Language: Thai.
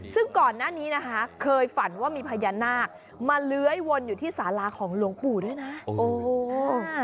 ซึ่งก่อนหน้านี้นะคะเคยฝันว่ามีพญานาคมาเลื้อยวนอยู่ที่สาราของหลวงปู่ด้วยนะโอ้